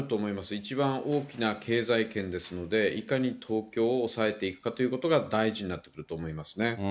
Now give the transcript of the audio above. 一番大きな経済圏ですので、いかに東京を抑えていくかということが大事になってくると思いますね。